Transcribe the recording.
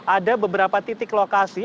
ada beberapa titik lokasi